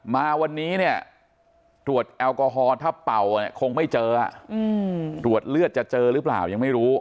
มาวันนี้เนี่ยตรวจแอลกอฮอลถ้าเป่าเนี่ยคงไม่เจอตรวจเลือดจะเจอหรือเปล่ายังไม่รู้